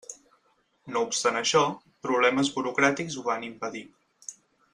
No obstant això, problemes burocràtics ho van impedir.